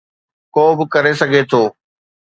ڪو به ڪري سگهي ٿو.